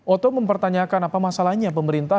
oto mempertanyakan apa masalahnya pemerintah